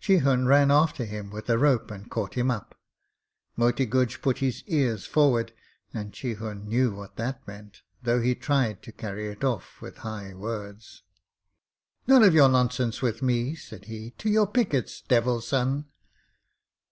Chihun ran after him with a rope and caught him up. Moti Guj put his ears forward, and Chihun knew what that meant, though he tried to carry it off with high words. 'None of your nonsense with me,' said he. 'To your pickets, Devil son.'